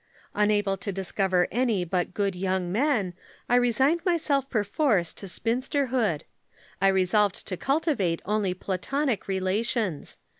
_] "Unable to discover any but good young men, I resigned myself perforce to spinsterhood. I resolved to cultivate only Platonic relations.